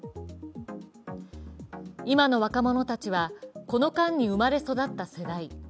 今の若者たちは、この間に生まれ育った世代。